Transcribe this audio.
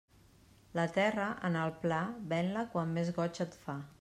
La terra, en el pla, ven-la quan més goig et fa.